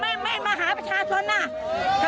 อยากมาต้อนรับอยากมาเห็นหน้าแต่ไม่เห็นหน้าเลย